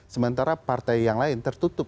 sementara partai yang lain tertutup